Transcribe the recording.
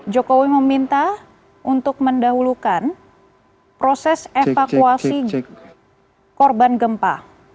jokowi meminta untuk mendahulukan proses evakuasi korban gempa